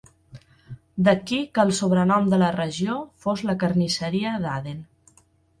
D'aquí que el sobrenom de la regió fos "la carnisseria d'Aden".